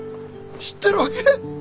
知ってるわけ？